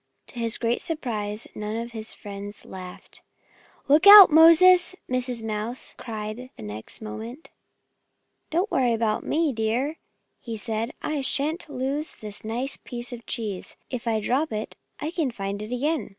To his great surprise, none of his friends laughed. "Look out, Moses!" Mrs. Mouse cried the next moment. "Don't worry, my dear!" said he. "I shan't lose this nice piece of cheese. If I drop it I can find it again.